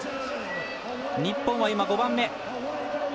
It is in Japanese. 日本は５番目。